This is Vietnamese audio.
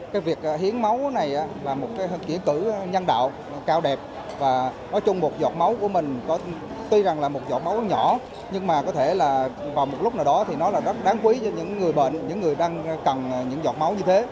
cái việc hiến máu này là một nghĩa cử nhân đạo cao đẹp và nói chung một giọt máu của mình tuy rằng là một giọt máu nhỏ nhưng mà có thể là vào một lúc nào đó thì nó là rất đáng quý cho những người bệnh những người đang cần những giọt máu như thế